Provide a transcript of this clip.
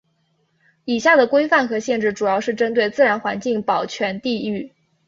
以下的规范和限制主要是针对自然环境保全地域。